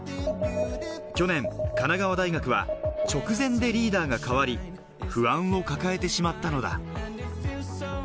去年、神奈川大学は直前でリーダーが代わり、不安を抱えてしまったのだ。